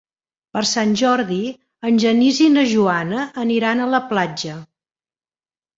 Per Sant Jordi en Genís i na Joana aniran a la platja.